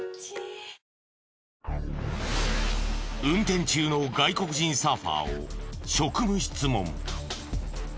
運転中の外国人サーファーを職務質問。